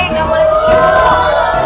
ga boleh begitu